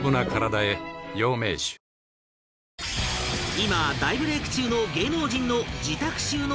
今大ブレイク中の芸能人の自宅収納